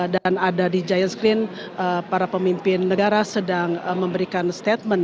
dan ada di giant screen para pemimpin negara sedang memberikan statement